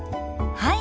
はい。